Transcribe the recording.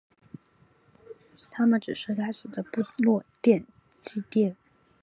它们只是该死的部落祭典。